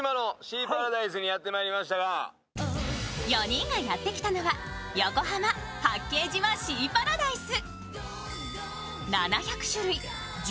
４人がやってきたのは横浜・八景島シーパラダイス。